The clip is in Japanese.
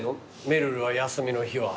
めるるは休みの日は。